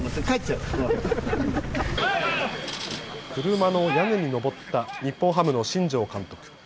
車の屋根に登った日本ハムの新庄監督。